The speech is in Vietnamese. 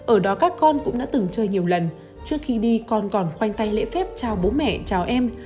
ở đó các con cũng đã từng chơi nhiều lần trước khi đi con còn khoanh tay lễ phép trao bố mẹ chào em